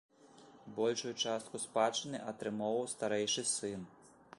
Большую частку спадчыны атрымоўваў старэйшы сын.